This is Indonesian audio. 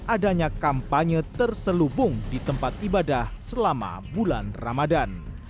adanya kampanye terselubung di tempat ibadah selama bulan ramadan